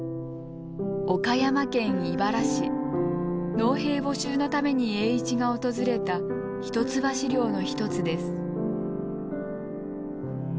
農兵募集のために栄一が訪れた一橋領の一つです。